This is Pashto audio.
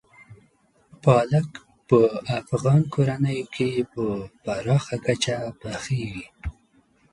پالک په افغان کورنیو کې په پراخه کچه پخېږي.